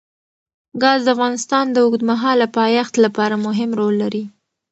ګاز د افغانستان د اوږدمهاله پایښت لپاره مهم رول لري.